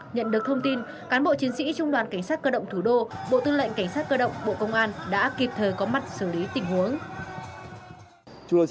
nhận được thông tin cán bộ chiến sĩ trung đoàn cảnh sát cơ động thủ đô bộ tư lệnh cảnh sát cơ động bộ công an đã kịp thời có mặt xử lý tình huống